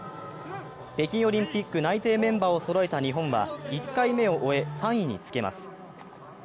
北京オリンピック内定メンバーをそろえた日本は１回目を終え、３位につけます。